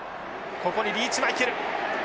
ここにリーチマイケル！